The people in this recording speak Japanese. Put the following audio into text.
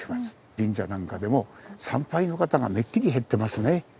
神社なんかでも参拝の方がめっきり減ってますね。